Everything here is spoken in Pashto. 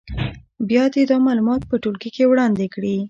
بیا دې دا معلومات په ټولګي کې وړاندې کړي.